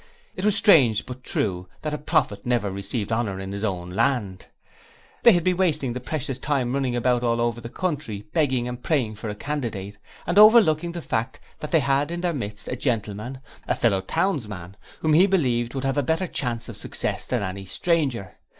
It was strange but true that a prophet never received honour in his own land. They had been wasting the precious time running about all over the country, begging and praying for a candidate, and overlooking the fact that they had in their midst a gentleman a fellow townsman, who, he believed, would have a better chance of success than any stranger.